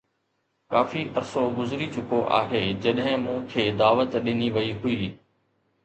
ڪافي عرصو گذري چڪو آهي جڏهن مون کي دعوت ڏني وئي هئي